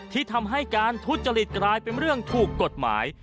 ที่ทำให้การทุจริตกลายเป็นเรื่องถูกกฎหมาย